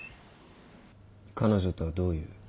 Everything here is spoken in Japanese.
彼女とはどういう？